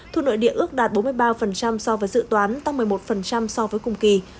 thu nội địa ước đạt bốn mươi ba so với dự toán tăng một mươi một so với cùng kỳ